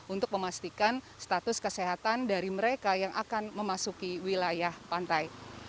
untuk memastikan status kesehatan dari mereka yang akan memasuki wilayah pantai